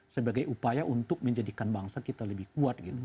sebagai upaya untuk menjadikan bangsa kita lebih kuat gitu